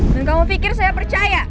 dan kamu pikir saya percaya